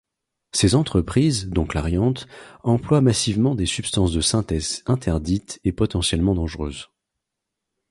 Ces entreprises, dont Clariant, emploient massivement des substances de synthèse interdites et potentiellement dangereuses.